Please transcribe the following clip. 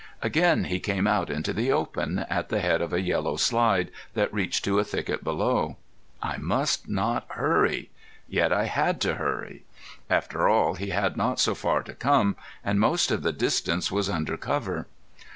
Again he came out into the open, at the head of a yellow slide, that reached to a thicket below. I must not hurry, yet I had to hurry. After all he had not so far to come and most of the distance was under cover.